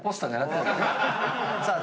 さあ